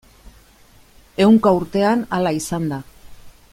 Ehunka urtean hala izan da.